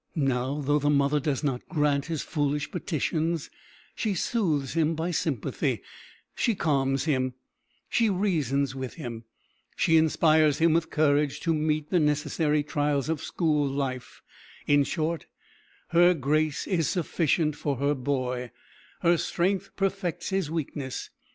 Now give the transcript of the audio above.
Now, though the mother does not grant his foolish petitions, she soothes him by sympathy; she calms him; she reasons with him; she inspires him with courage to meet the necessary trials of school life in short, her grace is sufficient for her boy; her strength perfects his weakness.